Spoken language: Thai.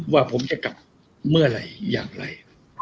ว่าผมจะกลับเมื่อไหร่อย่างไร